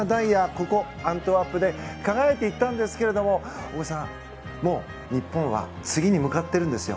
ここアントワープで輝いていったんですけど大越さん、日本はもう次に向かってるんですよ。